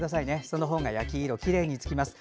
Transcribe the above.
そのほうが焼き色、きれいにつきます。